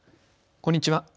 こんにちは。